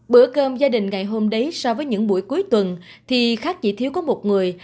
bữa cơm gia đình ngày hôm đấy so với những buổi cuối tuần thì khác chỉ thiếu có một người